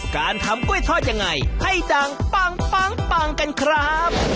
การทำกล้วยทอดยังไงให้ดังปังกันครับ